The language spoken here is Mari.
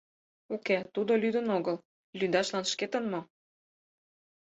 Уке, тудо лӱдын огыл: лӱдашлан — шкетын мо?